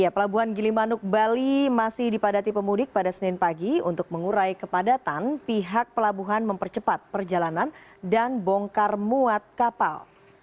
pelabuhan gilimanuk bali masih dipadati pemudik pada senin pagi untuk mengurai kepadatan pihak pelabuhan mempercepat perjalanan dan bongkar muat kapal